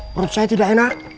perut saya tidak enak